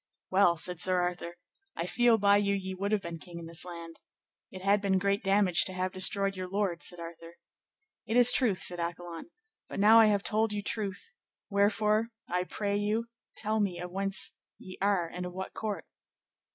Well, said Sir Arthur, I feel by you ye would have been king in this land. It had been great damage to have destroyed your lord, said Arthur. It is truth, said Accolon, but now I have told you truth, wherefore I pray you tell me of whence ye are, and of what court?